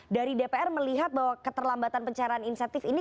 dari dpr melihat bahwa keterlambatan pencairan insentif ini